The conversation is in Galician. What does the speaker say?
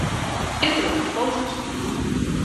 Entre outras cousas.